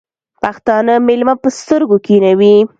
پښتانه مېلمه په سترگو کېنوي.